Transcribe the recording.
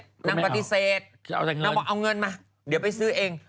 นางปฏิเสธนางบอกเอาเงินมาเดี๋ยวไปซื้อเอง